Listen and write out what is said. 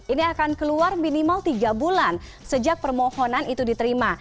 ini akan keluar minimal tiga bulan sejak permohonan itu diterima